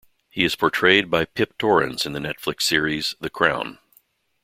He is portrayed by Pip Torrens in the Netflix series "The Crown".